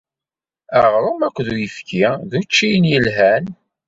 Aɣrum akked uyefki d uččiyen yelhan.